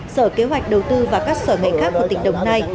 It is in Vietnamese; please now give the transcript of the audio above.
sở kế hoạch đầu tư và các sở ngành khác của tỉnh đồng nai